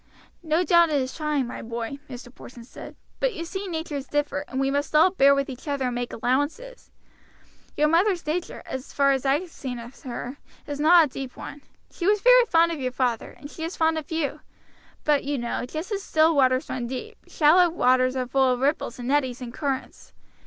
"No doubt it is trying, my boy," Mr. Porson said; "but you see natures differ, and we must all bear with each other and make allowances. Your mother's nature, as far as I have seen of her, is not a deep one. She was very fond of your father, and she is fond of you; but you know, just as still waters run deep, shallow waters are full of ripples, and eddies, and currents.